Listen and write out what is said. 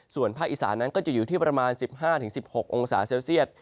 ส่วนภาคอีสานั้นก็จะอยู่ที่ประมาณ๑๕๑๖องศาเซลเซียต